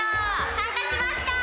参加しました！